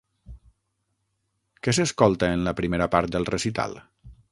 Què s'escolta en la primera part del recital?